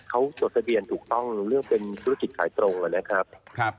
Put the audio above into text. เขาจดทะเบียนถูกต้องเรื่องเป็นธุรกิจขายตรงนะครับ